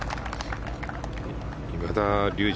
今田竜二